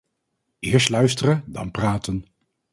Eerst luisteren, dan praten.